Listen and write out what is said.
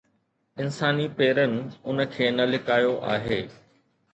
انساني پيرن ان کي نه لڪايو آهي